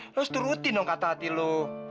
harus turutin dong kata hati lu